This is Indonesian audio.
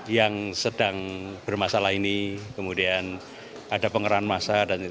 yang sedang bermasalah ini kemudian ada pengerahan masa